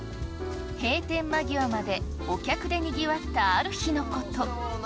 閉店間際までお客でにぎわったある日のこと。